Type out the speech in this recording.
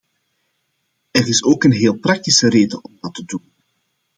Er is ook een heel praktische reden om dat te doen.